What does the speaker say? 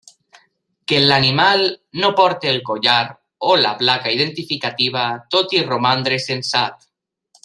Que l'animal no porti el collar o la placa identificativa tot i romandre censat.